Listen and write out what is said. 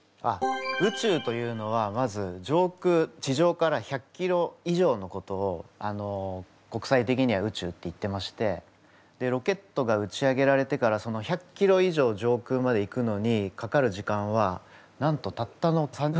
宇宙というのはまず上空地上から１００ｋｍ以上のことを国際的には宇宙っていってましてロケットが打ち上げられてから１００ｋｍ以上上空まで行くのにかかる時間はなんとたったの３分ぐらいなんです。